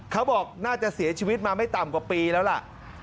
เขาบอกน่าจะเสียชีวิตมาไม่ต่ำกว่าปีแล้วล่ะ